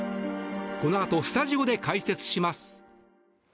このあとスタジオで解説します。